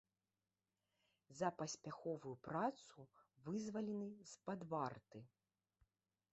За паспяховую працу вызвалены з-пад варты.